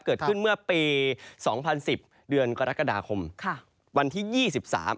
เกิดขึ้นเมื่อปีสองพันสิบเดือนกรกฎาคมค่ะวันที่ยี่สิบสาม